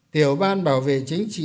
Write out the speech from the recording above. tiểu ban bảo vệ chính trị